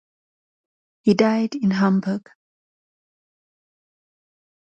He died in Hamburg.